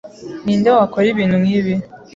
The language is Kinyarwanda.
Ninde wakora ibintu nkibi?